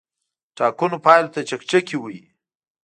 ټاکنو پایلو ته چکچکې وهي.